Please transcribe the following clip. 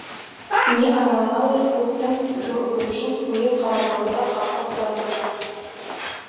Ни аралалыр күктең ҙур өлөшөн ҡуйы ҡара болоттар ҡаплап та өлгөргән.